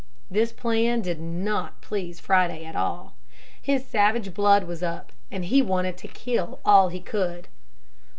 This plan did not please Friday at all. His savage blood was up and he wanted to kill all he could.